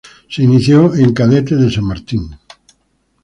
Se inició en Cadetes de San Martín.